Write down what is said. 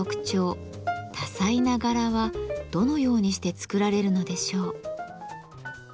多彩な柄はどのようにして作られるのでしょう？